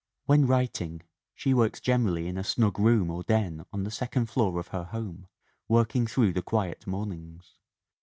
When writing she works generally in a snug room or den on the second floor of her home, working through the quiet mornings.